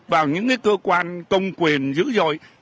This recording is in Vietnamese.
vào những cái cơ quan công quyền dữ dội